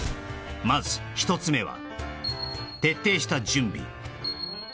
まず１つ目は徹底した準備